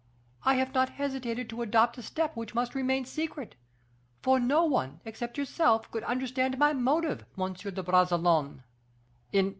I have not hesitated to adopt a step which must remain secret; for no one, except yourself, could understand my motive, Monsieur de Bragelonne."